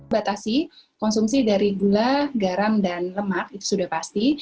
batasi konsumsi dari gula garam dan lemak itu sudah pasti